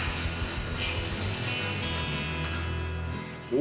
お！